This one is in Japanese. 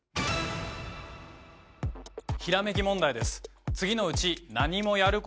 ひらめき問題です